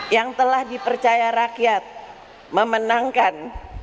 yang telah dipercaya rakyat memenangkan